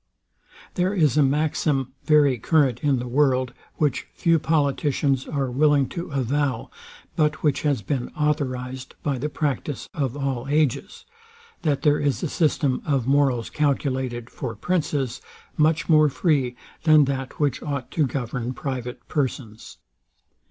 There is a maxim very current in the world, which few politicians are willing to avow, but which has been authorized by the practice of all ages, that there is a system of morals calculated for princes, much more free than that which ought to govern private persons.